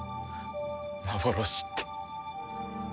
幻って。